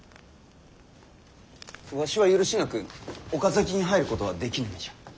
わしは許しなく岡崎に入ることはできぬ身じゃ。